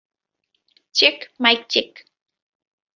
Check mike check.